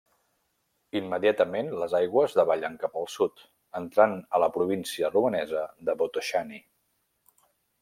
Immediatament les aigües davallen cap al sud, entrant a la província romanesa de Botoşani.